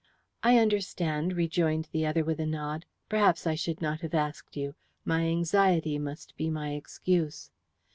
"I understand," rejoined the other, with a nod. "Perhaps I should not have asked you. My anxiety must be my excuse."